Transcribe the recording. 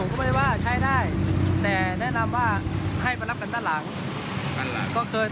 ก็หนักกันอย่างนี้